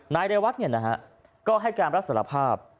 นายดายวัฒน์ก็ให้การรับสารภาพ